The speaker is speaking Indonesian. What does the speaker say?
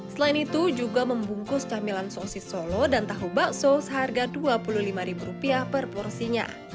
selain itu juga membungkus camilan sosis solo dan tahu bakso seharga rp dua puluh lima per porsinya